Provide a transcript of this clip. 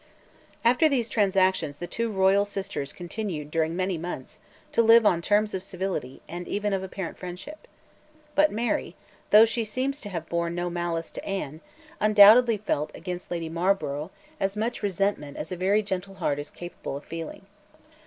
After these transactions the two royal sisters continued during many months to live on terms of civility and even of apparent friendship. But Mary, though she seems to have borne no malice to Anne, undoubtedly felt against Lady Marlborough as much resentment as a very gentle heart is capable of feeling.